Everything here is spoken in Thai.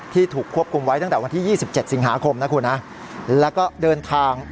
ถูกควบคุมไว้ตั้งแต่วันที่๒๗สิงหาคมนะคุณนะแล้วก็เดินทาง